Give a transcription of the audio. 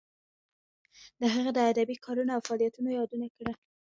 د هغه د ادبی کارونو او فعالیتونو یادونه کړه.